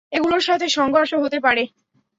এগুলোর সাথে সংঘর্ষ হতে পারে!